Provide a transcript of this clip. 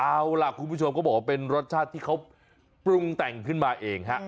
เอาล่ะคุณผู้ชมก็บอกว่าเป็นรสชาติที่เขาปรุงแต่งขึ้นมาเองฮะ